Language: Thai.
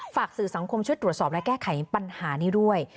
ฝากสื่อสังคมช่วยตรวจสอบและแก้ไขปัญหานี้ด้วย